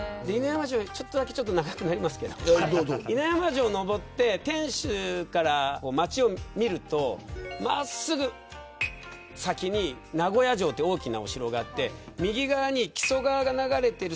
ちょっだけ長くなりますけど犬山城を登って天守から街を見ると真っすぐ先に名古屋城っていう大きなお城があって右側に木曽川が流れている。